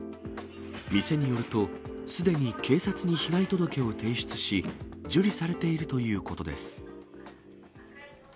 店によると、すでに警察に被害届を提出し、受理されているということです。